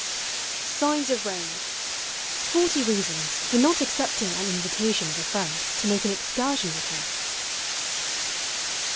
SIGNS OF RAIN.* FORTY REASONS FOR NOT ACCEPTING AX INVITA TION OF A FRIEND TO MAKE AN EXCURSION WITH HIM.